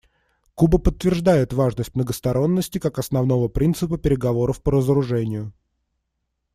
Куба подтверждает важность многосторонности как основного принципа переговоров по разоружению.